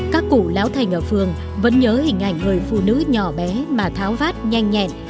các cụ lão thành ở phường vẫn nhớ hình ảnh người phụ nữ nhỏ bé mà tháo vát nhanh nhẹn